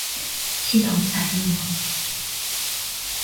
系统采用了。